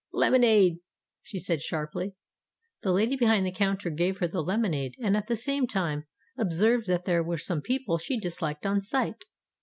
"Lemonade," she said sharply. The lady behind the counter gave her the lemonade, and at the same time observed that there were some people she disliked on sight.